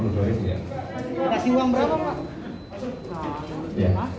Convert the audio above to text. kasih uang berapa pak